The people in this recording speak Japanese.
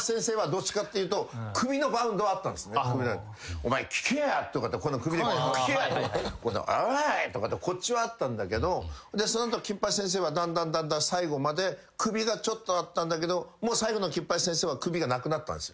「お前聞けや」とかって首で「聞けや」「おい」とかってこっちはあったんだけどその後金八先生はだんだんだんだん最後まで首がちょっとあったんだけど最後の金八先生は首がなくなったんです。